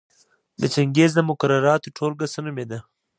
د چنګیز د مقرراتو ټولګه څه نومېده؟